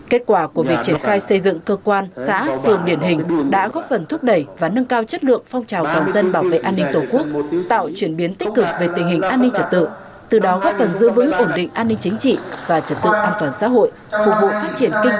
kết quả của việc triển khai xây dựng cơ quan xã phường điển hình đã góp phần thúc đẩy và nâng cao chất lượng phong trào toàn dân bảo vệ an ninh tổ quốc tạo chuyển biến tích cực về tình hình an ninh trật tự từ đó góp phần giữ vững ổn định an ninh chính trị và trật tự an toàn xã hội phục vụ phát triển kinh tế xã hội